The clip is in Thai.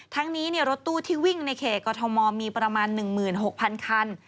ทั้งนี้รถตู้ที่วิ่งในเขตกรทมมีประมาณ๑๖๐๐คัน